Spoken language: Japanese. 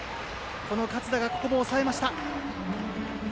勝田がここも抑えました。